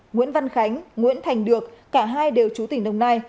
nguyễn văn khánh nguyễn thành được cả hai đều chú tỉnh đồng nai